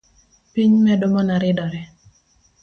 Piny medo mana ridore